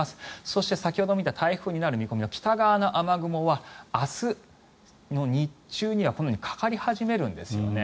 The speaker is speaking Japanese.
そして、先ほど見た台風になる見込みの北側の雨雲は明日の日中にはこのようにかかり始めるんですよね。